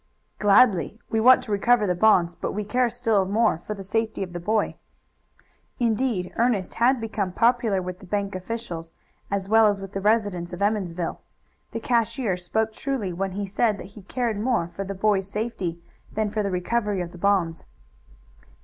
"Gladly. We want to recover the bonds, but we care still more for the safety of the boy." Indeed Ernest had become popular with the bank officials as well as with the residents of Emmonsville. The cashier spoke truly when he said that he cared more for the boy's safety than for the recovery of the bonds.